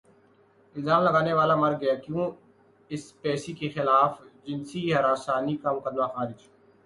الزام لگانے والا مر گیا کیون اسپیسی کے خلاف جنسی ہراسانی کا مقدمہ خارج